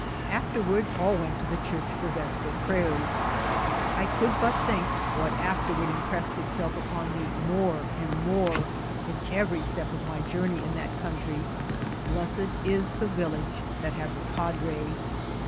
Afterward all went Ho the ehuroh lor deeper psayers. I coidd bat think, what afterward impresMd itself upon me more and more in eyerj step of my jonmey in that eonatry, bless* •d is the village that has a padre.